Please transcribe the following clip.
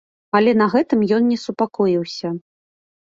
Але на гэтым ён не супакоіўся.